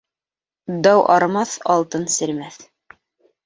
Дау арымаҫ, алтын серемәҫ.